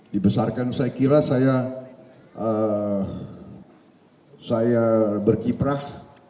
dibesarkan saya kira saya berkiprah